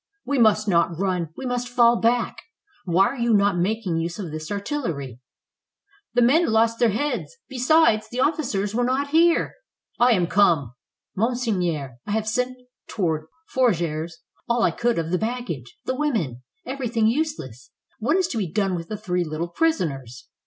"We must not run; we must fall back. Why are you not making use of this artillery?" "The men lost their heads; besides, the officers were not here." "I am come." "Monseigneur, I have sent toward Fougeres all I could of the baggage, the women, everything useless. What is to be done with the three little prisoners?"